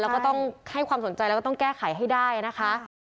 แล้วก็ต้องให้ความสนใจแล้วก็ต้องแก้ไขให้ได้นะคะ